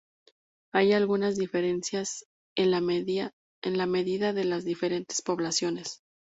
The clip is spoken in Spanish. Hay algunas diferencias en la medida de las diferentes poblaciones.